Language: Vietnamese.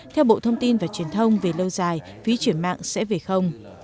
theo bộ thông tin và truyền thông về lâu dài phí chuyển mạng sẽ về không